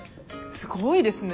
すごいですね。